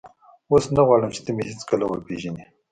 اوس نه غواړم چې ته مې هېڅکله وپېژنې.